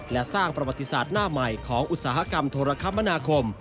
และสร้างประวัติศาสตร์หน้าใหม่ของอุตสาหกรรมโทรคมนาคม